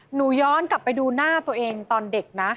ย้อนกลับไปดูหน้าตัวเองตอนเด็กนะ